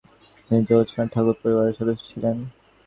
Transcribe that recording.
তিনি জোড়াসাঁকো ঠাকুর পরিবারের সদস্য ছিলেন।